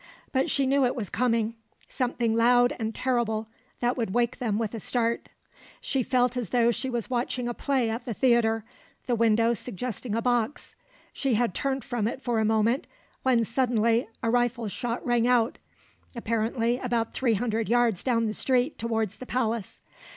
But she knew it was coming, something loud and terrible that would wake them with a start. She felt as though she was watching a play at the theatre, the window suggesting a box. She had turned from it for a moment, when suddenly a rifle shot rang out, apparently about three hundred yards down the street towards the palace.